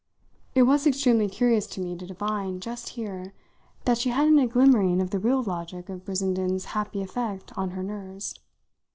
It was extremely curious to me to divine, just here, that she hadn't a glimmering of the real logic of Brissenden's happy effect on her nerves.